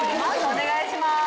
お願いします。